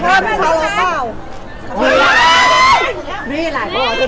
แผนพี่ของเราเปล่า